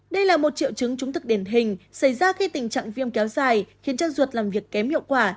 đây là một triệu chứng chứng thực điển hình xảy ra khi tình trạng viêm kéo dài khiến cho ruột làm việc kém hiệu quả